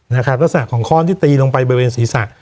นะครับนักศราของข้อนที่ตีลงไปบริเวณศรีษะ